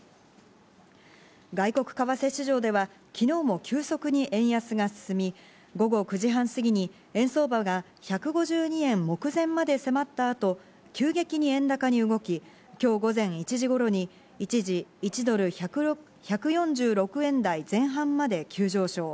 外国為替市場では、昨日も急速に円安が進み、午後９時半過ぎに円相場が１５２円目前まで迫ったあと、急激に円高に動き、今日午前１時頃に一時、１ドル１４６円台前半まで急上昇。